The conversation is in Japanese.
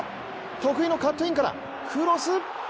得意のカットインからクロス！